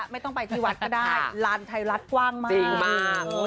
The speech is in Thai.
ไม่ต้องไปที่วัดก็ได้ลานไทยรัฐกว้างมาก